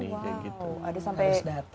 harus dateng deh